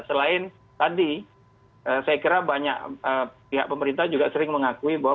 selain tadi saya kira banyak pihak pemerintah juga sering mengakui bahwa